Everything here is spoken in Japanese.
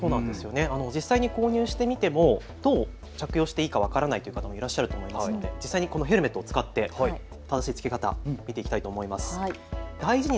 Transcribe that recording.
実際に購入してみてもどう着用していいか分からないという方もいらっしゃるといいますので実際にこのヘルメットを使って正しいつけ方、見ていきたいと思います。